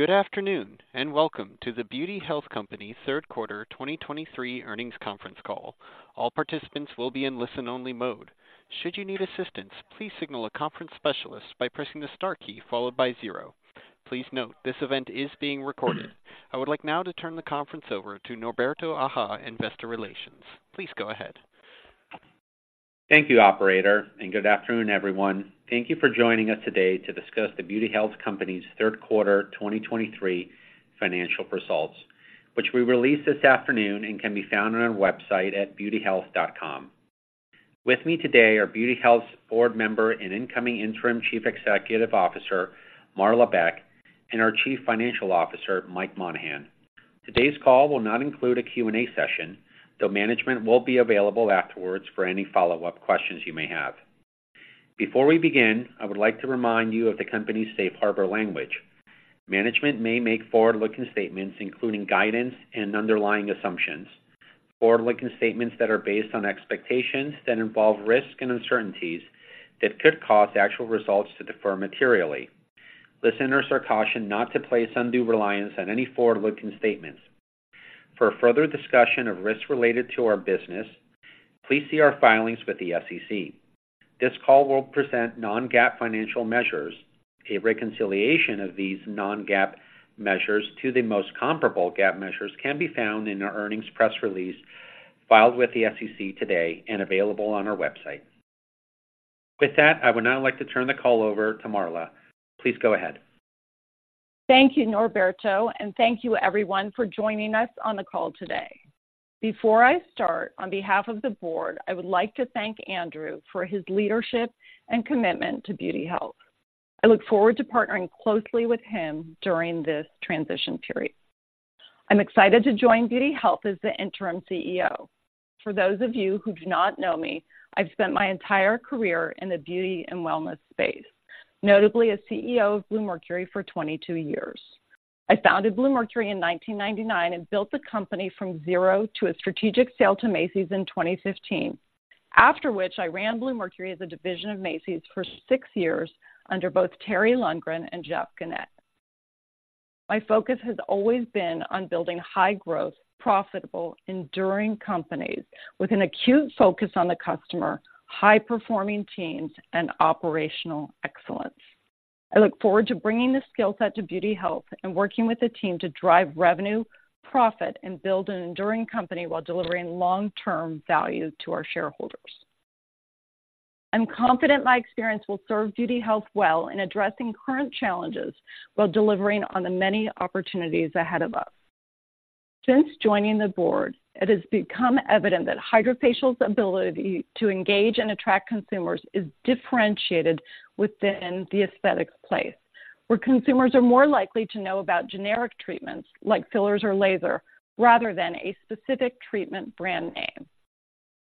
Good afternoon, and welcome to The BeautyHealth Company third quarter 2023 earnings conference call. All participants will be in listen-only mode. Should you need assistance, please signal a conference specialist by pressing the star key followed by zero. Please note, this event is being recorded. I would like now to turn the conference over to Norberto Aja, Investor Relations. Please go ahead. Thank you, operator, and good afternoon, everyone. Thank you for joining us today to discuss The BeautyHealth Company's third quarter 2023 financial results, which we released this afternoon and can be found on our website at beautyhealth.com. With me today are The BeautyHealth Company's board member and incoming interim Chief Executive Officer, Marla Beck, and our Chief Financial Officer, Mike Monahan. Today's call will not include a Q&A session, though management will be available afterwards for any follow-up questions you may have. Before we begin, I would like to remind you of the company's Safe Harbor language. Management may make forward-looking statements, including guidance and underlying assumptions. Forward-looking statements that are based on expectations that involve risks and uncertainties that could cause actual results to differ materially. Listeners are cautioned not to place undue reliance on any forward-looking statements. For a further discussion of risks related to our business, please see our filings with the SEC. This call will present non-GAAP financial measures. A reconciliation of these non-GAAP measures to the most comparable GAAP measures can be found in our earnings press release filed with the SEC today and available on our website. With that, I would now like to turn the call over to Marla. Please go ahead. Thank you, Norberto, and thank you everyone for joining us on the call today. Before I start, on behalf of the board, I would like to thank Andrew for his leadership and commitment to BeautyHealth. I look forward to partnering closely with him during this transition period. I'm excited to join BeautyHealth as the Interim CEO. For those of you who do not know me, I've spent my entire career in the beauty and wellness space, notably as CEO of Bluemercury for 22 years. I founded Bluemercury in 1999 and built the company from zero to a strategic sale to Macy's in 2015, after which I ran Bluemercury as a division of Macy's for 6 years under both Terry Lundgren and Jeff Gennette. My focus has always been on building high-growth, profitable, enduring companies with an acute focus on the customer, high-performing teams, and operational excellence. I look forward to bringing this skill set to BeautyHealth and working with the team to drive revenue, profit, and build an enduring company while delivering long-term value to our shareholders. I'm confident my experience will serve BeautyHealth well in addressing current challenges while delivering on the many opportunities ahead of us. Since joining the board, it has become evident that HydraFacial's ability to engage and attract consumers is differentiated within the aesthetics space, where consumers are more likely to know about generic treatments like fillers or laser rather than a specific treatment brand name.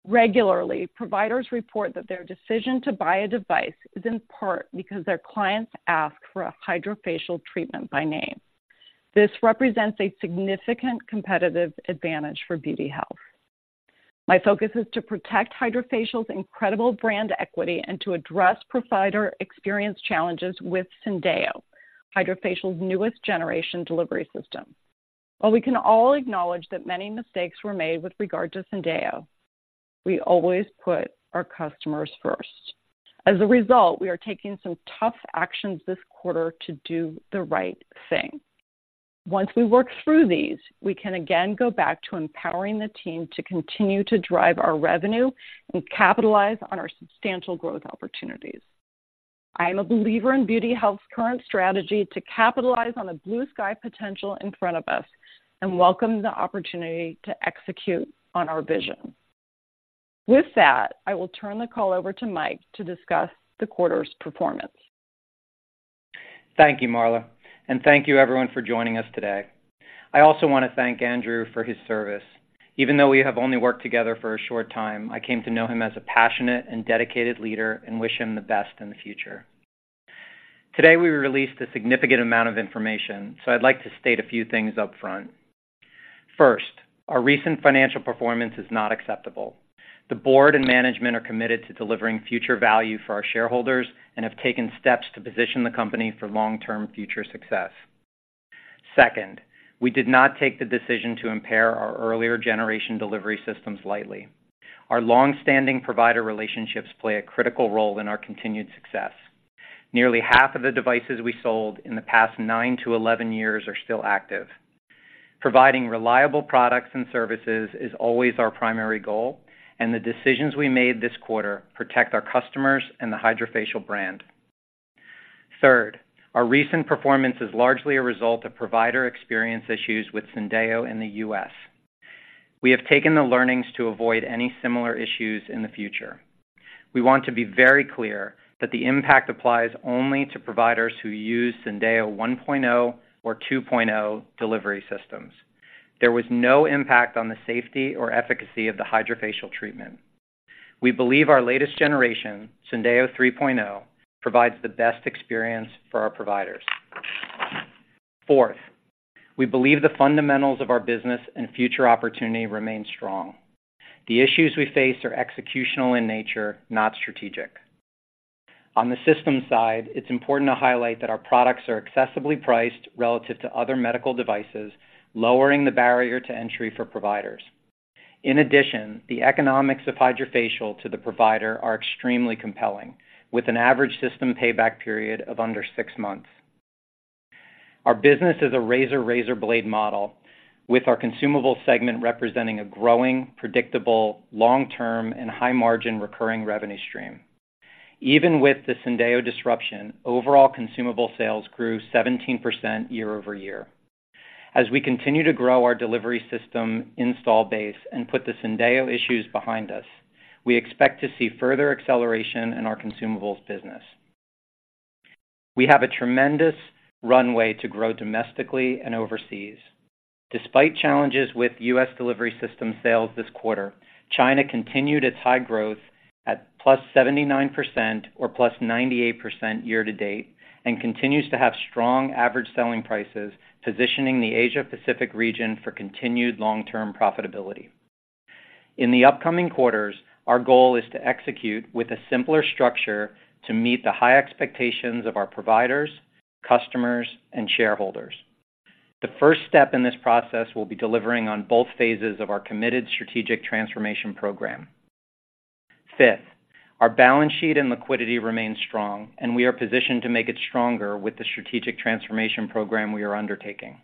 Regularly, providers report that their decision to buy a device is in part because their clients ask for a HydraFacial treatment by name. This represents a significant competitive advantage for Beauty Health. My focus is to protect HydraFacial's incredible brand equity and to address provider experience challenges with Syndeo, HydraFacial's newest generation delivery system. While we can all acknowledge that many mistakes were made with regard to Syndeo, we always put our customers first. As a result, we are taking some tough actions this quarter to do the right thing. Once we work through these, we can again go back to empowering the team to continue to drive our revenue and capitalize on our substantial growth opportunities. I am a believer in BeautyHealth's current strategy to capitalize on the blue sky potential in front of us and welcome the opportunity to execute on our vision. With that, I will turn the call over to Mike to discuss the quarter's performance. Thank you, Marla, and thank you everyone for joining us today. I also want to thank Andrew for his service. Even though we have only worked together for a short time, I came to know him as a passionate and dedicated leader and wish him the best in the future. Today, we released a significant amount of information, so I'd like to state a few things upfront. First, our recent financial performance is not acceptable. The board and management are committed to delivering future value for our shareholders and have taken steps to position the company for long-term future success. Second, we did not take the decision to impair our earlier generation delivery systems lightly. Our long-standing provider relationships play a critical role in our continued success. Nearly half of the devices we sold in the past 9-11 years are still active. Providing reliable products and services is always our primary goal, and the decisions we made this quarter protect our customers and the HydraFacial brand. Third, our recent performance is largely a result of provider experience issues with Syndeo in the U.S. We have taken the learnings to avoid any similar issues in the future. We want to be very clear that the impact applies only to providers who use Syndeo 1.0 or 2.0 delivery systems. There was no impact on the safety or efficacy of the HydraFacial treatment. We believe our latest generation, Syndeo 3.0, provides the best experience for our providers. Fourth, we believe the fundamentals of our business and future opportunity remain strong. The issues we face are executional in nature, not strategic... On the system side, it's important to highlight that our products are accessibly priced relative to other medical devices, lowering the barrier to entry for providers. In addition, the economics of HydraFacial to the provider are extremely compelling, with an average system payback period of under six months. Our business is a razor, razor blade model, with our consumable segment representing a growing, predictable, long-term, and high-margin recurring revenue stream. Even with the Syndeo disruption, overall consumable sales grew 17% year-over-year. As we continue to grow our delivery system install base and put the Syndeo issues behind us, we expect to see further acceleration in our consumables business. We have a tremendous runway to grow domestically and overseas. Despite challenges with U.S. delivery system sales this quarter, China continued its high growth at +79% or +98% year to date, and continues to have strong average selling prices, positioning the Asia Pacific region for continued long-term profitability. In the upcoming quarters, our goal is to execute with a simpler structure to meet the high expectations of our providers, customers, and shareholders. The first step in this process will be delivering on both phases of our committed strategic transformation program. Fifth, our balance sheet and liquidity remain strong, and we are positioned to make it stronger with the strategic transformation program we are undertaking.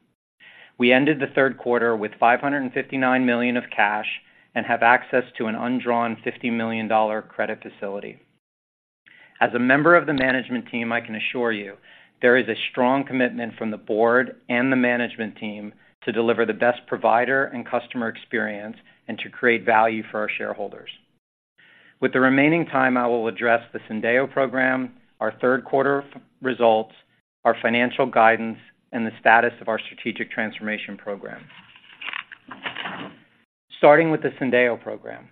We ended the third quarter with $559 million of cash and have access to an undrawn $50 million credit facility. As a member of the management team, I can assure you there is a strong commitment from the board and the management team to deliver the best provider and customer experience and to create value for our shareholders. With the remaining time, I will address the Syndeo program, our third quarter results, our financial guidance, and the status of our strategic transformation program. Starting with the Syndeo program.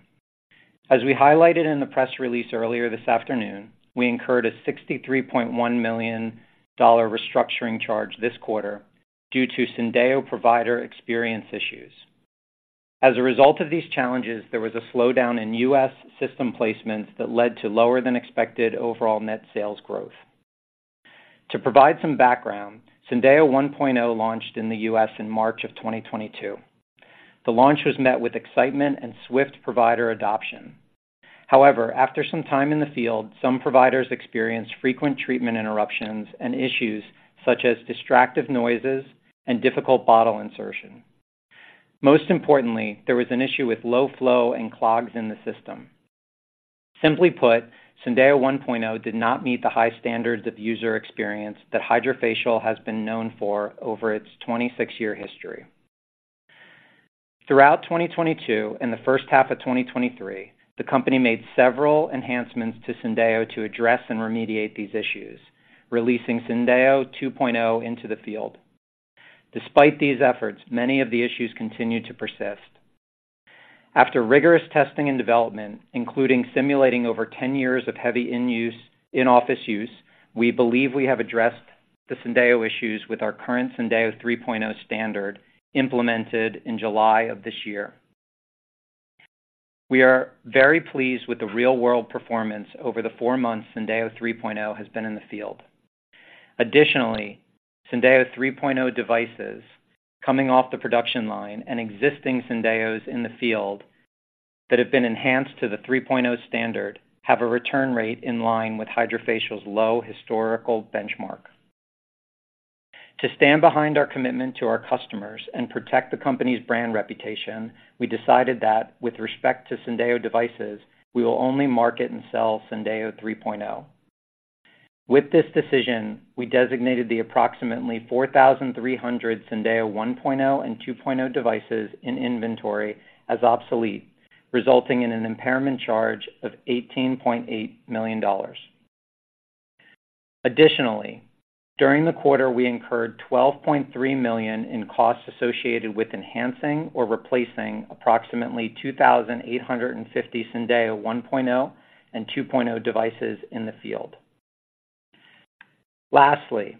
As we highlighted in the press release earlier this afternoon, we incurred a $63.1 million restructuring charge this quarter due to Syndeo provider experience issues. As a result of these challenges, there was a slowdown in U.S. system placements that led to lower than expected overall net sales growth. To provide some background, Syndeo 1.0 launched in the U.S. in March 2022. The launch was met with excitement and swift provider adoption. However, after some time in the field, some providers experienced frequent treatment interruptions and issues such as distractive noises and difficult bottle insertion. Most importantly, there was an issue with low flow and clogs in the system. Simply put, Syndeo 1.0 did not meet the high standards of user experience that HydraFacial has been known for over its 26-year history. Throughout 2022 and the first half of 2023, the company made several enhancements to Syndeo to address and remediate these issues, releasing Syndeo 2.0 into the field. Despite these efforts, many of the issues continued to persist. After rigorous testing and development, including simulating over 10 years of heavy in-office use, we believe we have addressed the Syndeo issues with our current Syndeo 3.0 standard, implemented in July of this year. We are very pleased with the real-world performance over the four months Syndeo 3.0 has been in the field. Additionally, Syndeo 3.0 devices coming off the production line and existing Syndeos in the field that have been enhanced to the 3.0 standard have a return rate in line with HydraFacial's low historical benchmark. To stand behind our commitment to our customers and protect the company's brand reputation, we decided that with respect to Syndeo devices, we will only market and sell Syndeo 3.0. With this decision, we designated the approximately 4,300 Syndeo 1.0 and 2.0 devices in inventory as obsolete, resulting in an impairment charge of $18.8 million. Additionally, during the quarter, we incurred $12.3 million in costs associated with enhancing or replacing approximately 2,850 Syndeo 1.0 and 2.0 devices in the field. Lastly,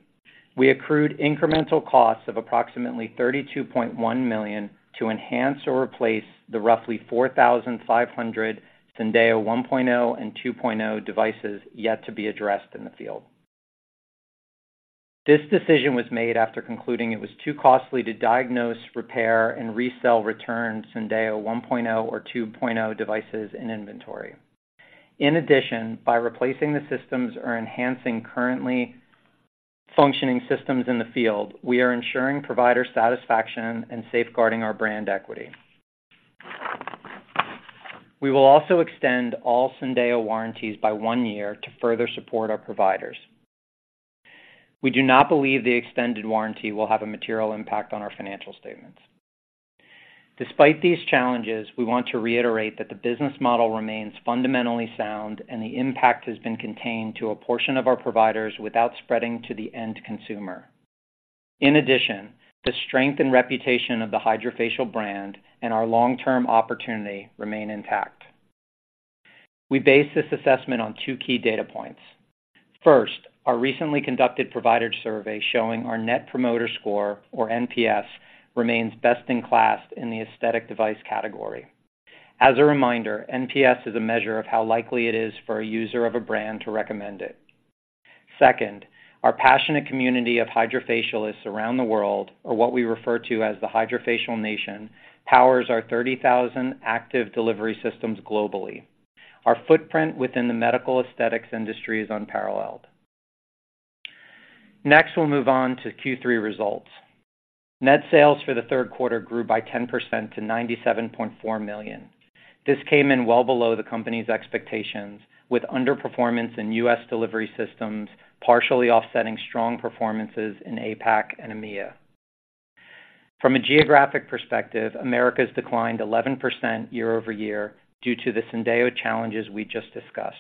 we accrued incremental costs of approximately $32.1 million to enhance or replace the roughly 4,500 Syndeo 1.0 and 2.0 devices yet to be addressed in the field. This decision was made after concluding it was too costly to diagnose, repair, and resell returned Syndeo 1.0 or 2.0 devices in inventory. In addition, by replacing the systems or enhancing currently functioning systems in the field, we are ensuring provider satisfaction and safeguarding our brand equity. We will also extend all Syndeo warranties by 1 year to further support our providers. We do not believe the extended warranty will have a material impact on our financial statements. Despite these challenges, we want to reiterate that the business model remains fundamentally sound and the impact has been contained to a portion of our providers without spreading to the end consumer. In addition, the strength and reputation of the HydraFacial brand and our long-term opportunity remain intact. We base this assessment on two key data points. First, our recently conducted provider survey showing our Net Promoter Score, or NPS, remains best-in-class in the aesthetic device category… As a reminder, NPS is a measure of how likely it is for a user of a brand to recommend it. Second, our passionate community of HydraFacialists around the world, or what we refer to as the HydraFacial Nation, powers our 30,000 active delivery systems globally. Our footprint within the medical aesthetics industry is unparalleled. Next, we'll move on to Q3 results. Net sales for the third quarter grew by 10% to $97.4 million. This came in well below the company's expectations, with underperformance in U.S. delivery systems, partially offsetting strong performances in APAC and EMEA. From a geographic perspective, Americas declined 11% year-over-year due to the Syndeo challenges we just discussed.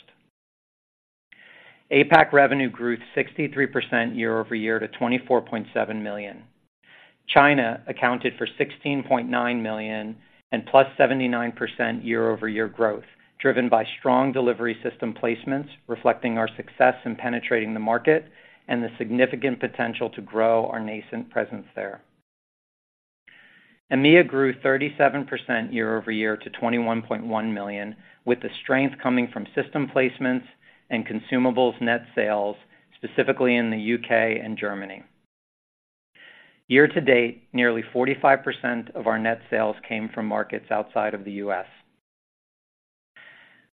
APAC revenue grew 63% year-over-year to $24.7 million. China accounted for $16.9 million and +79% year-over-year growth, driven by strong delivery system placements, reflecting our success in penetrating the market and the significant potential to grow our nascent presence there. EMEA grew 37% year-over-year to $21.1 million, with the strength coming from system placements and consumables net sales, specifically in the U.K. and Germany. Year to date, nearly 45% of our net sales came from markets outside of the U.S.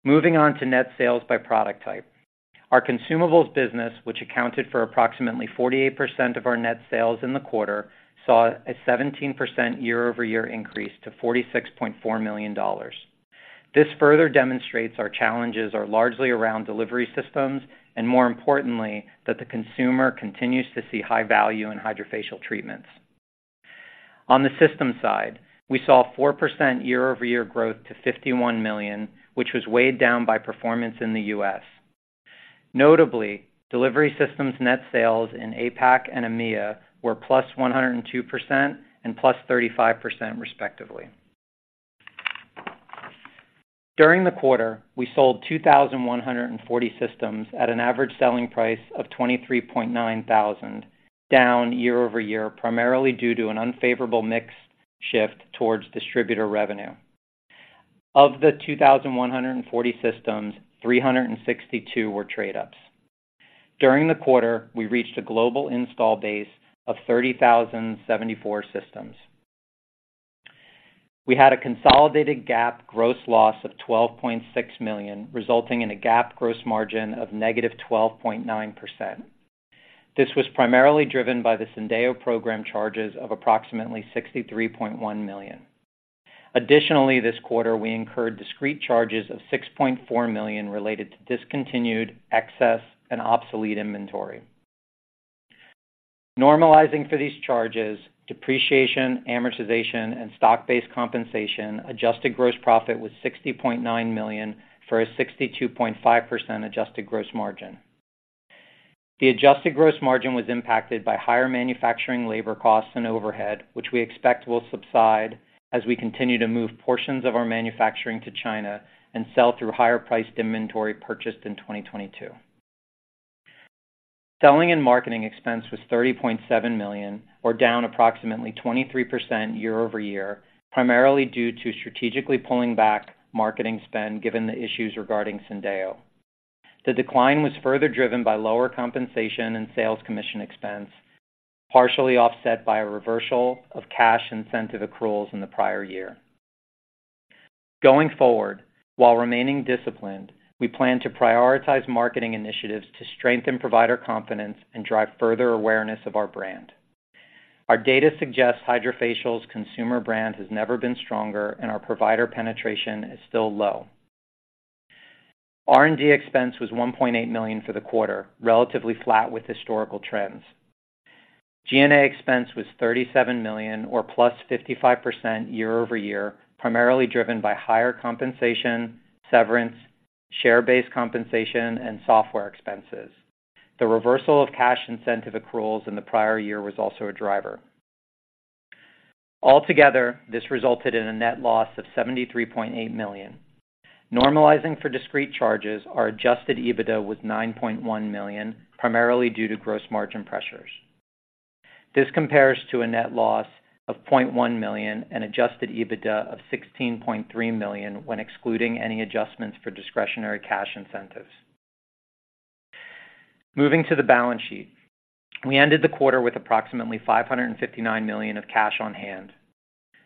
Moving on to net sales by product type. Our consumables business, which accounted for approximately 48% of our net sales in the quarter, saw a 17% year-over-year increase to $46.4 million. This further demonstrates our challenges are largely around delivery systems and, more importantly, that the consumer continues to see high value in HydraFacial treatments. On the system side, we saw 4% year-over-year growth to $51 million, which was weighed down by performance in the U.S. Notably, delivery systems net sales in APAC and EMEA were +102% and +35%, respectively. During the quarter, we sold 2,140 systems at an average selling price of $23,900, down year-over-year, primarily due to an unfavorable mix shift towards distributor revenue. Of the 2,140 systems, 362 were trade-ups. During the quarter, we reached a global install base of 30,074 systems. We had a consolidated GAAP gross loss of $12.6 million, resulting in a GAAP gross margin of -12.9%. This was primarily driven by the Syndeo program charges of approximately $63.1 million. Additionally, this quarter, we incurred discrete charges of $6.4 million related to discontinued, excess, and obsolete inventory. Normalizing for these charges, depreciation, amortization, and stock-based compensation, adjusted gross profit was $60.9 million, for a 62.5% adjusted gross margin. The adjusted gross margin was impacted by higher manufacturing labor costs and overhead, which we expect will subside as we continue to move portions of our manufacturing to China and sell through higher-priced inventory purchased in 2022. Selling and marketing expense was $30.7 million, or down approximately 23% year-over-year, primarily due to strategically pulling back marketing spend given the issues regarding Syndeo. The decline was further driven by lower compensation and sales commission expense, partially offset by a reversal of cash incentive accruals in the prior year. Going forward, while remaining disciplined, we plan to prioritize marketing initiatives to strengthen provider confidence and drive further awareness of our brand. Our data suggests HydraFacial's consumer brand has never been stronger, and our provider penetration is still low. R&D expense was $1.8 million for the quarter, relatively flat with historical trends. G&A expense was $37 million or +55% year-over-year, primarily driven by higher compensation, severance, share-based compensation, and software expenses. The reversal of cash incentive accruals in the prior year was also a driver. Altogether, this resulted in a net loss of $73.8 million. Normalizing for discrete charges, our Adjusted EBITDA was $9.1 million, primarily due to gross margin pressures. This compares to a net loss of $0.1 million and Adjusted EBITDA of $16.3 million when excluding any adjustments for discretionary cash incentives. Moving to the balance sheet. We ended the quarter with approximately $559 million of cash on hand.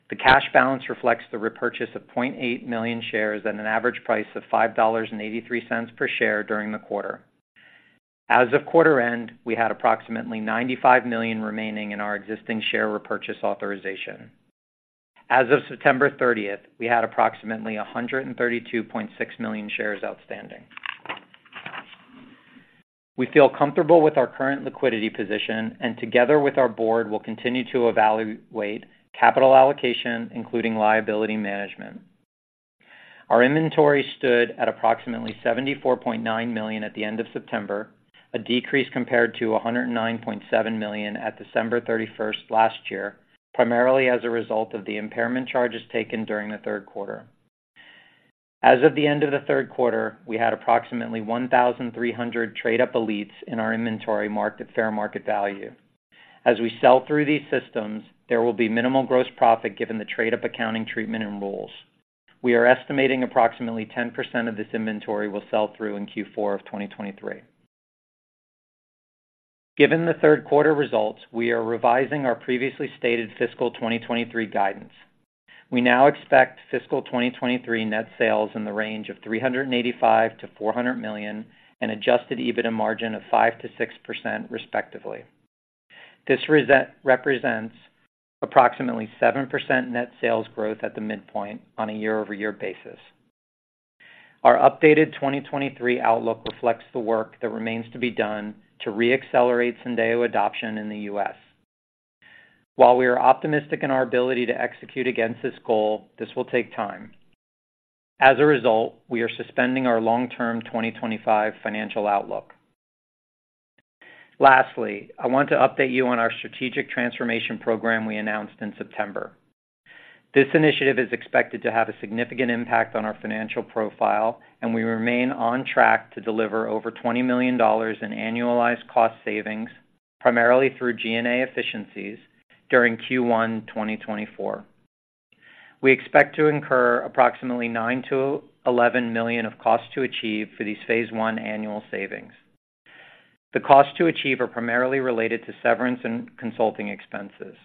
The cash balance reflects the repurchase of 0.8 million shares at an average price of $5.83 per share during the quarter. As of quarter end, we had approximately $95 million remaining in our existing share repurchase authorization. As of September 30, we had approximately 132.6 million shares outstanding. We feel comfortable with our current liquidity position, and together with our board, we'll continue to evaluate capital allocation, including liability management. Our inventory stood at approximately $74.9 million at the end of September, a decrease compared to $109.7 million at December 31 last year, primarily as a result of the impairment charges taken during the third quarter. As of the end of the third quarter, we had approximately 1,300 trade-up Elite systems in our inventory marked at fair market value. As we sell through these systems, there will be minimal gross profit, given the trade-up accounting treatment and rules. We are estimating approximately 10% of this inventory will sell through in Q4 of 2023. Given the third quarter results, we are revising our previously stated fiscal 2023 guidance. We now expect fiscal 2023 net sales in the range of $385 million-$400 million, and Adjusted EBITDA margin of 5%-6%, respectively. This represents approximately 7% net sales growth at the midpoint on a year-over-year basis. Our updated 2023 outlook reflects the work that remains to be done to re-accelerate Syndeo adoption in the U.S. While we are optimistic in our ability to execute against this goal, this will take time. As a result, we are suspending our long-term 2025 financial outlook. Lastly, I want to update you on our strategic transformation program we announced in September. This initiative is expected to have a significant impact on our financial profile, and we remain on track to deliver over $20 million in annualized cost savings, primarily through G&A efficiencies, during Q1 2024. We expect to incur approximately $9 million-$11 million of costs to achieve for these phase one annual savings. The costs to achieve are primarily related to severance and consulting expenses.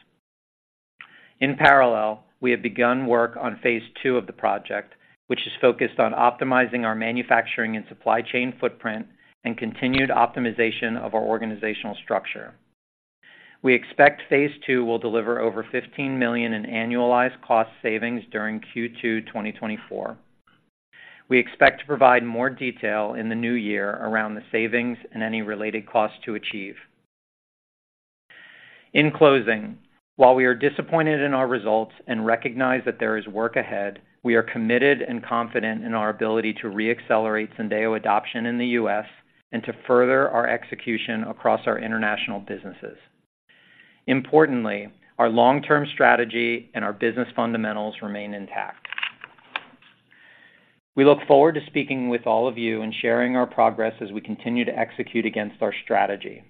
In parallel, we have begun work on phase two of the project, which is focused on optimizing our manufacturing and supply chain footprint and continued optimization of our organizational structure. We expect phase two will deliver over $15 million in annualized cost savings during Q2 2024. We expect to provide more detail in the new year around the savings and any related costs to achieve. In closing, while we are disappointed in our results and recognize that there is work ahead, we are committed and confident in our ability to re-accelerate Syndeo adoption in the U.S. and to further our execution across our international businesses. Importantly, our long-term strategy and our business fundamentals remain intact. We look forward to speaking with all of you and sharing our progress as we continue to execute against our strategy.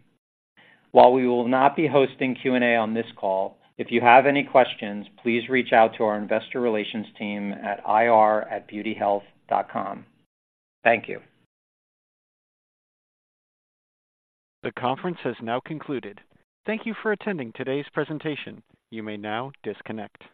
While we will not be hosting Q&A on this call, if you have any questions, please reach out to our investor relations team at ir@beautyhealth.com. Thank you. The conference has now concluded. Thank you for attending today's presentation. You may now disconnect.